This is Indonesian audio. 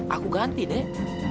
aku ganti nek